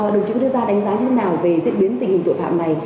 đồng chí cũng đưa ra đánh giá như thế nào về diễn biến tình hình tội phạm này